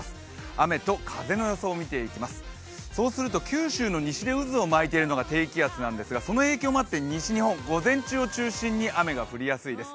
雨と風の予想を見ていきます，九州の西で渦を巻いているのが低気圧なんですがその影響もあって、西日本は午前中を中心に雨が降りやすいです。